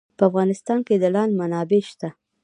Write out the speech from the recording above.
په افغانستان کې د لعل منابع شته.